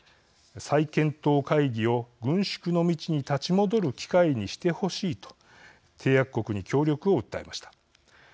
再検討会議を軍縮の道に立ち戻る機会にしてほしい」と締約国に協力を訴えました。